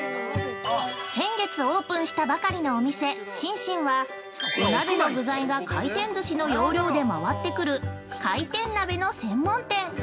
◆先月オープンしたばかりのお店シンシンはお鍋の具材が回転ずしの要領で回ってくる回転鍋の専門店。